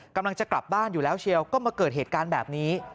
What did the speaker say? กำลังจะกลับบ้านอยู่แล้วเชียวก็มาเกิดเหตุการณ์แบบนี้